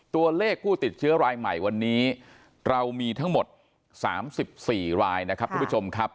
ตัวเลขผู้ติดเชื้อรายใหม่วันนี้เรามีทั้งหมด๓๔รายนะครับทุกผู้ชมครับ